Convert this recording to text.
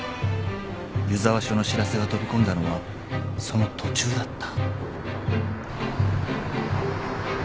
［湯沢署の知らせが飛び込んだのはその途中だった］